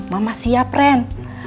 mama siap ren